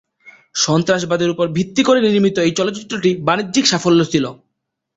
সন্ত্রাসবাদের উপর ভিত্তি করে নির্মিত এই চলচ্চিত্রটি বাণিজ্যিক সাফল্য ছিল।